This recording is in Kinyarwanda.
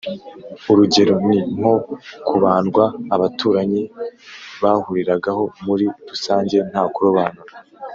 Urugero ni nko kubandwa abaturanyi bahuriragaho muri rusange nta kurobanura